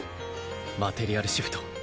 マテリアルシフト